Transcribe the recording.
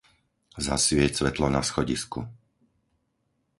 Zasvieť svetlo na schodisku.